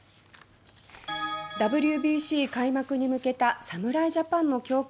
ＷＢＣ開幕に向けた侍ジャパンの強化